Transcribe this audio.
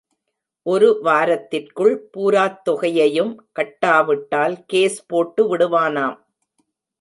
ஒரு வாரத்திற்குள் பூராத் தொகையையும் கட்டாவிட்டால் கேஸ் போட்டு விடுவானாம்.